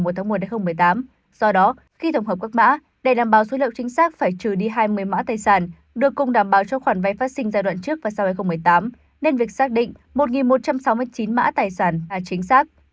do đó khi tổng hợp các mã đề đảm bảo số liệu chính xác phải trừ đi hai mươi mã tài sản được cùng đảm bảo cho khoản vay phát sinh giai đoạn trước và sau hai nghìn một mươi tám nên việc xác định một một trăm sáu mươi chín mã tài sản là chính xác